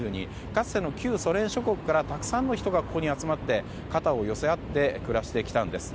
かつての旧ソ連諸国からたくさんの人がここに集まって、肩を寄せ合って暮らしてきたんです。